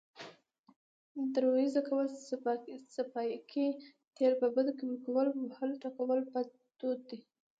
دروېزه کول، څپياکې تپل، په بدو کې ورکول، وهل، ټکول بد دود دی